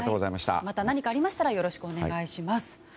また何かありましたらよろしくお願いします。